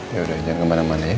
yaudah jangan kemana mana ya